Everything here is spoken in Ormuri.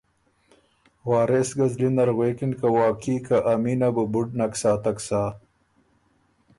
وارث ګه زلی نر غوېکِن که واقعي که ا مینه بُو بُډ نک ساتک سَۀ